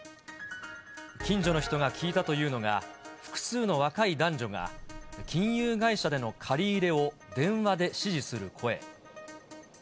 近所の人が聞いたというのが、複数の若い男女が、金融会社での借り入れを、電話で指示する声。